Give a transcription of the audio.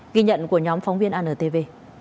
ghi nhận của nhóm phóng viên antv